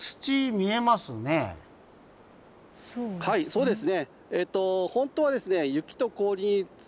はいそうですね。